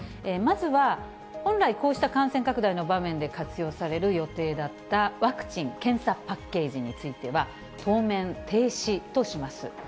まずは本来、こうした感染拡大の場面で活用される予定だったワクチン・検査パッケージについては当面停止とします。